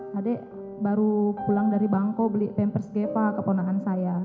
tadi baru pulang dari bangkok beli pampers gepa keponahan saya